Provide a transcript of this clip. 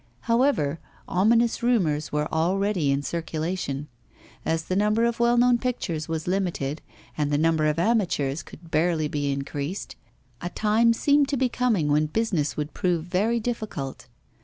However, ominous rumours were already in circulation. As the number of well known pictures was limited, and the number of amateurs could barely be increased, a time seemed to be coming when business would prove very difficult.